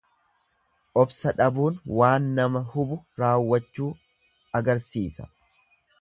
Obsa dhabuun waan nama hubu raawwachuu agarsiisa.